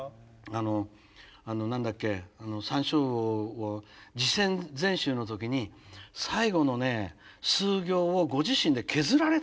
あの何だっけ「山椒魚」を「自選全集」の時に最後の数行をご自身で削られたんですよ。